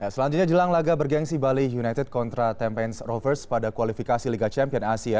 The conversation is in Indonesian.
selanjutnya jelang laga bergensi bali united kontra tempens rovers pada kualifikasi liga champion asia